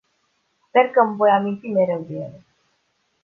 Sper că îmi voi aminti mereu de ele.